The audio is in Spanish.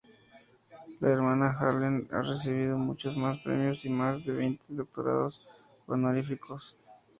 La Hermana Helen ha recibido muchos más premios y más de veinte doctorados honoríficos.